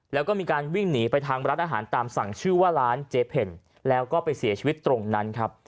แล้วก็มีการวิ่งหนีไปทางร้านอาหารตามสั่งชื่อว่าร้านเจ๊เพลแล้วก็ไปเสียชีวิตตรงนั้นครับ